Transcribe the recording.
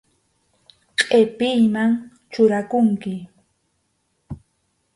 Qʼipiyman churakunku.